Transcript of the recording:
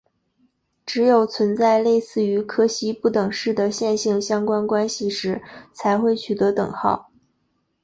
只有存在类似于柯西不等式的线性相关关系时才会取得等号。